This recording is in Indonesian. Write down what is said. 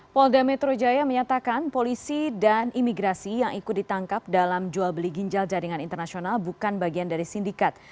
polda metro jaya menyatakan polisi dan imigrasi yang ikut ditangkap dalam jual beli ginjal jaringan internasional bukan bagian dari sindikat